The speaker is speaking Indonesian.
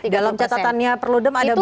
dalam catatannya perludem ada berapa